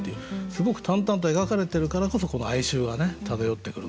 すごく淡々と描かれてるからこそこの哀愁が漂ってくるんですよね。